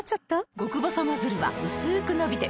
極細ノズルはうすく伸びて